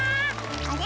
あれ？